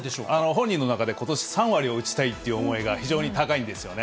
本人の中でことし３割を打ちたいという思いが非常に高いんですよね。